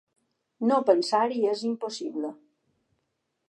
No pensar-hi és impossible.